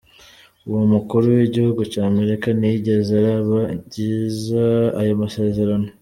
Uwo mukuru w'igihugu ca Amerika ntiyigeze araba ryiza ayo masezerano.